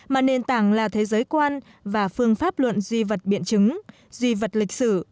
mà nền tảng là thế giới quan và phương pháp luận duy vật biện chứng duy vật lịch sử